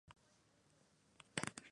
Zagreb por sí sola es "grad", una ciudad.